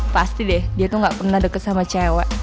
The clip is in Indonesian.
pasti deh dia tuh gak pernah deket sama cewek